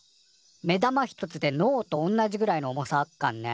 目玉一つで脳と同じくらいの重さあっかんね。